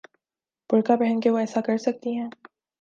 برقعہ پہن کے وہ ایسا کر سکتی ہیں؟